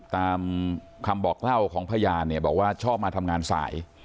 ตามคำบอกเล่าของพยานเนี่ยบอกว่าชอบมาทำงานสาย